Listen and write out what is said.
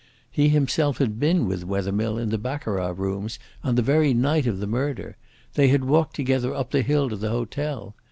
He himself had been with Wethermill in the baccarat rooms on the very night of the murder. They had walked together up the hill to the hotel.